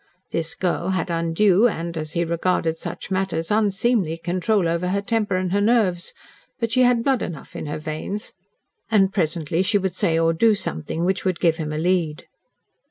This girl had undue, and, as he regarded such matters, unseemly control over her temper and her nerves, but she had blood enough in her veins, and presently she would say or do something which would give him a lead.